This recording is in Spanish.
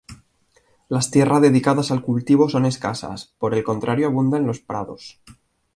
Las tierra dedicadas al cultivo son escasas, por el contrario abundan los prados.